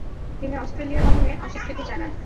তিনি অস্ট্রেলিয়া গমনে অস্বীকৃতি জানান।